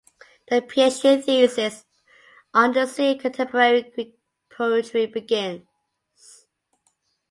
A PhD thesis on "The Sea in Contemporary Greek Poetry" begins.